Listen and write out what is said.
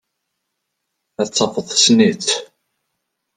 Ad tafeḍ tessen-itt.